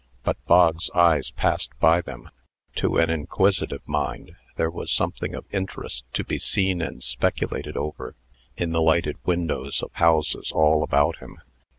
But Bog's eyes passed them by. To an inquisitive mind, there was something of interest to be seen and speculated over, in the lighted windows of houses all about him.